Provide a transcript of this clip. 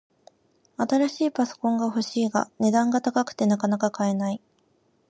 新しいパソコンが欲しいが、値段が高くてなかなか買えない